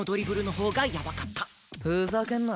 ふざけんな。